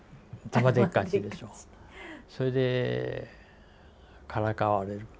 それでからかわれる。